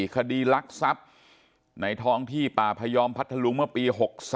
คดีลักทรัพย์ในท้องที่ป่าพยอมพัทธลุงเมื่อปี๖๓